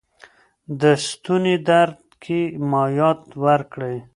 د ستوني درد کې مایعات ورکړئ.